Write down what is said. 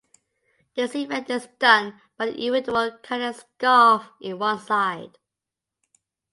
This event is done by an individual cutting a scarf in one side.